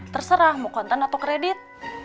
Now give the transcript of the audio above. terserah mau konten atau kredit